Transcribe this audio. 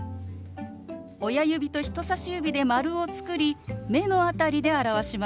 親指と人さし指で丸を作り目の辺りで表します。